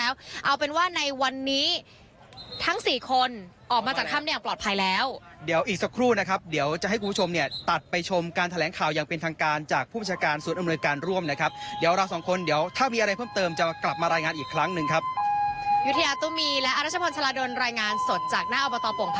แล้วเอาเป็นว่าในวันนี้ทั้งสี่คนออกมาจากถ้ำได้อย่างปลอดภัยแล้วเดี๋ยวอีกสักครู่นะครับเดี๋ยวจะให้คุณผู้ชมเนี่ยตัดไปชมการแถลงข่าวอย่างเป็นทางการจากผู้ประชาการศูนย์อำนวยการร่วมนะครับเดี๋ยวเราสองคนเดี๋ยวถ้ามีอะไรเพิ่มเติมจะกลับมารายงานอีกครั้งหนึ่งครับ